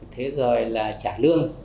thế rồi là trả lương